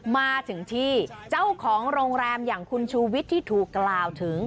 มาถึงที่เจ้าของโรงแรมอย่างคุณชูวิทย์ที่ถูกกล่าวถึง